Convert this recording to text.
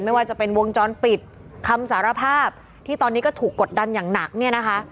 ไม่ว่าจะเป็นวงจรปิดคำสารภาพที่ตอนนี้ก็ถูกกดดันอย่างหนักเนี่ยนะคะ